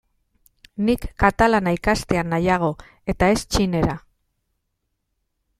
Nik katalana ikastea nahiago eta ez txinera.